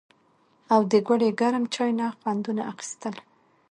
او د ګوړې ګرم چای نه خوندونه اخيستل